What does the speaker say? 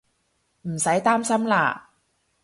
唔使擔心喇